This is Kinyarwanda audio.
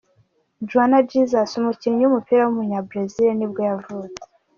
Juan Jesus, umukinnyi w’umupira w’umunyabrazil nibwo yavutse.